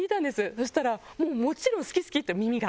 そしたら「もちろん好き好き」って耳が。